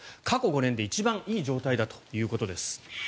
過去５年で一番いい状態だということです。